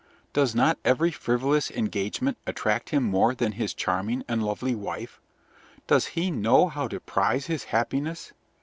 Does not every frivolous engagement attract him more than his charming and lovely wife? Does he know how to prize his happiness?